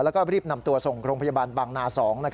แล้วก็รีบนำตัวส่งโรงพยาบาลบางนา๒